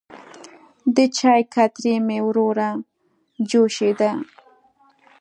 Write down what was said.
د چای کتری مې وروه جوشېده.